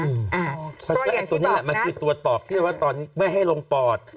ตัวแรกตัวนี้แหละมันคือตัวปอกเพราะว่าตอนนี้ไม่ให้ลงปอด